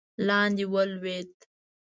لاندې ولوېد.